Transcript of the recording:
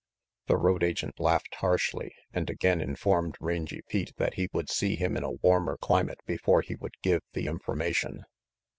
The road agent laughed harshly and again informed Rangy Pete that he would see him in a warmer climate before he would give the information.